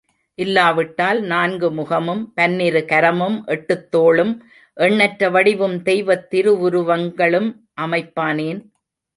இல்லாவிட்டால் நான்கு முகமும், பன்னிருகரமும், எட்டுத் தோளும், எண்ணற்ற வடிவும் தெய்வத் திருவுருவங்களுக்கு அமைப்பானேன்.